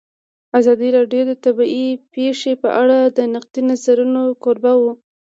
ازادي راډیو د طبیعي پېښې په اړه د نقدي نظرونو کوربه وه.